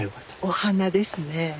お花ですね。